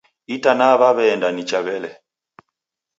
Itanaa waw'eenda nicha wele.